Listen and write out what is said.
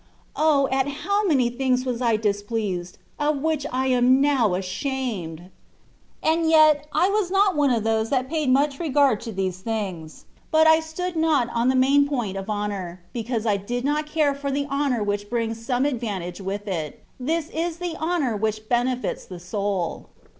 O ! at how many things was I dis pleased, of which I am now ashamed ! And yet * Beceiving our Lord's body. 182 THE WAY or PERFECTION. I was not one of those that paid much r^ard to these things, but I stood not on the main point of honour, because I did care for the honour which brings some advantage with it : this is the honour which benefits the soul.